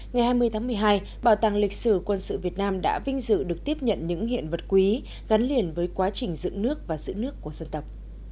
ngày hai mươi tháng một mươi hai bảo tàng lịch sử quân sự việt nam đã vinh dự được tiếp nhận những hiện vật quý gắn liền với quá trình dựng nước và giữ nước của dân tộc